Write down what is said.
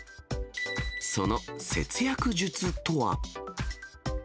その節約術とは。